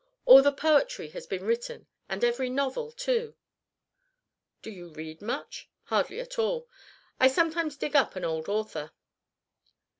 All the poetry has been written and every novel too." "Do you read much?" "Hardly at all. I sometimes dip into an old author."